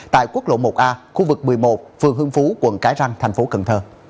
tại quốc lộ một a khu vực một mươi một phường hương phú quận cái răng tp cn